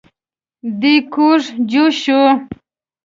دی کوږ جوش شو.